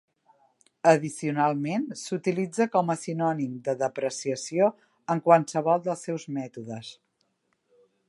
Addicionalment s'utilitza com a sinònim de depreciació en qualsevol dels seus mètodes.